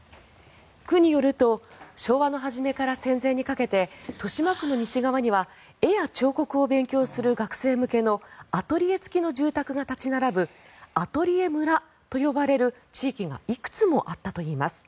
区によると昭和の初めから戦前にかけて豊島区の西側には絵や彫刻を勉強する学生向けのアトリエ付きの住宅が立ち並ぶアトリエ村と呼ばれる地域がいくつもあったといいます。